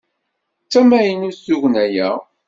D tamaynut tugna-a?